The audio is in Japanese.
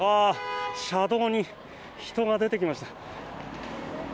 車道に人が出てきました。